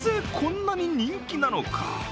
なぜ、こんなに人気なのか。